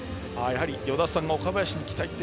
与田さんが岡林に期待と。